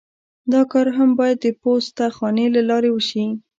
دا کار هم باید د پوسته خانې له لارې وشي